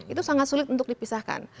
itu sangat sulit untuk dipisahkan